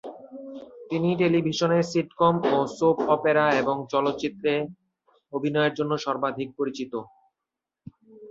তিনি টেলিভিশনে সিটকম ও সোপ অপেরা এবং চলচ্চিত্রে অভিনয়ের জন্য সর্বাধিক পরিচিত।